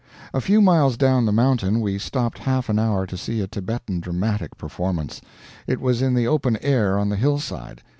A few miles down the mountain we stopped half an hour to see a Thibetan dramatic performance. It was in the open air on the hillside.